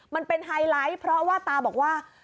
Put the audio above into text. ไฮไลท์เพราะว่าตาบอกว่า